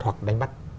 hoặc đánh bắt